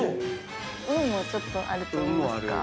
運もちょっとあるといいますか。